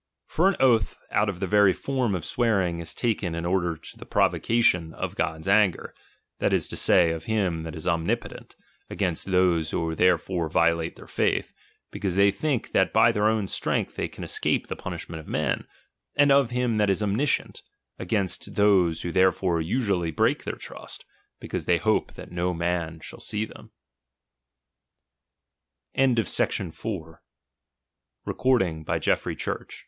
For an oath, out of the very form of swearing, is taken in order to the provocation of God's anger, that is to say, of him that is omnipo tent, against those who therefore riolate their faith, because they think that by their own strength they can escape the punishment of men ; and of him that is omniscient, agmnst those who therefore usually break their trust, because they hope that no man